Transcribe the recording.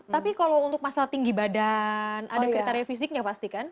tapi kalau untuk masalah tinggi badan ada kriteria fisiknya pasti kan